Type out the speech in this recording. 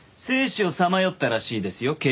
生死をさまよったらしいですよ